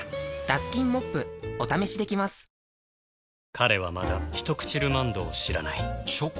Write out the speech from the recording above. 彼はまだ「ひとくちルマンド」を知らないチョコ？